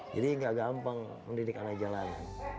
jadi nggak gampang mendidik anak jalanan